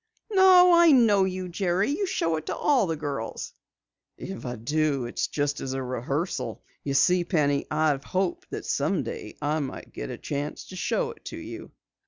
"No, I know you, Jerry. You show it to all the girls." "If I do, it's just as a rehearsal. You see, Penny, I've hoped that someday I might get a chance to show it to you."